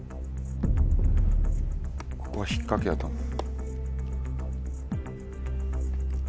ここは引っ掛けやと思う。